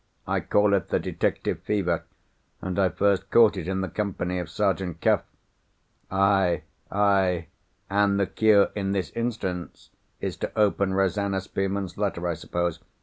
I call it the detective fever; and I first caught it in the company of Sergeant Cuff." "Aye! aye! and the cure in this instance is to open Rosanna Spearman's letter, I suppose?